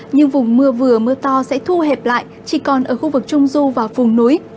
nhưng vùng mưa vừa mưa to sẽ thu hẹp lại chỉ còn ở khu vực trung du và vùng núi